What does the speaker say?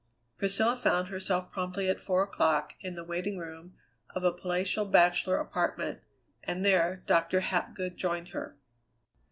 Priscilla found herself promptly at four o'clock in the waiting room of a palatial bachelor apartment, and there Doctor Hapgood joined her.